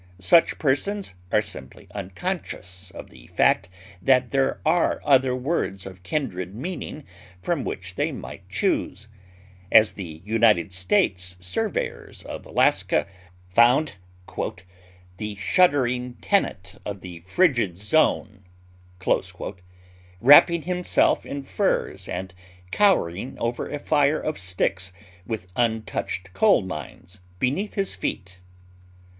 Such persons are simply unconscious of the fact that there are other words of kindred meaning from which they might choose; as the United States surveyors of Alaska found "the shuddering tenant of the frigid zone" wrapping himself in furs and cowering over a fire of sticks with untouched coal mines beneath his feet.